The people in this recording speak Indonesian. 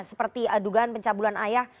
seperti adugaan pencabulan air